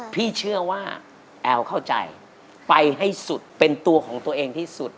พี่เชื่อว่าแอลเข้าใจไปให้สุดเป็นตัวของตัวเองที่สุด